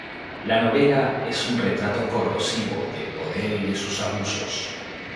La novela es un retrato corrosivo del poder y de sus abusos.